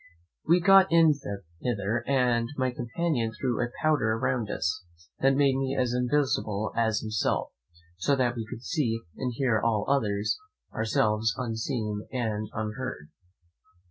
We got in hither, and my companion threw a powder round us, that made me as invisible as himself; so that we could see and hear all others, ourselves unseen and unheard.